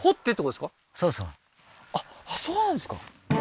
溝あっそうなんですか